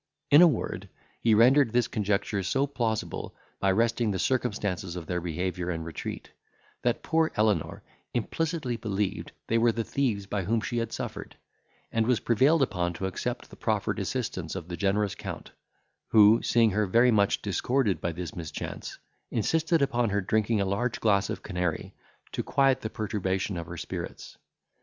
In a word, he rendered this conjecture so plausible, by wresting the circumstances of their behaviour and retreat, that poor Elenor implicitly believed they were the thieves by whom she had suffered; and was prevailed upon to accept the proffered assistance of the generous Count, who, seeing her very much disordered by this mischance, insisted upon her drinking a large glass of canary, to quiet the perturbation of her spirits.